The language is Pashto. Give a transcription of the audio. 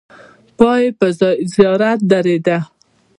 پای یې پر زیارت درېده.